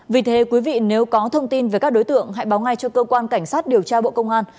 vì thế quý vị nếu có thông tin về các đối tượng hãy báo ngay cho cơ quan cảnh sát điều tra bộ công an